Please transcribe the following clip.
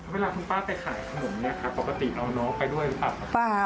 เวลาทุกป้าไปขายขนมปกติเอาน้องไปด้วยหรือเปล่า